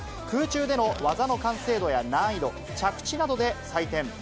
空中での技の完成度や難易度、着地などで採点。